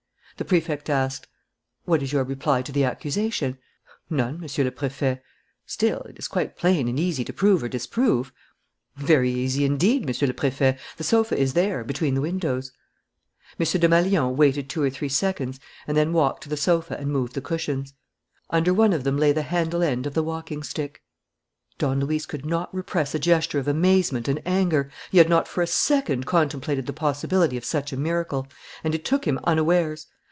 The Prefect asked: "What is your reply to the accusation?" "None, Monsieur le Préfet." "Still, it is quite plain and easy to prove or disprove." "Very easy, indeed, Monsieur le Préfet; the sofa is there, between the windows." M. Desmalions waited two or three seconds and then walked to the sofa and moved the cushions. Under one of them lay the handle end of the walking stick. Don Luis could not repress a gesture of amazement and anger. He had not for a second contemplated the possibility of such a miracle; and it took him unawares.